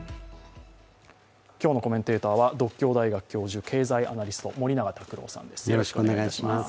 今日のコメンテーターは独協大学教授、経済アナリスト森永卓郎さんです。